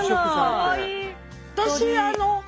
かわいい！